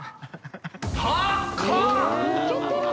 高っ！